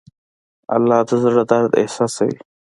الله د زړه درد احساسوي.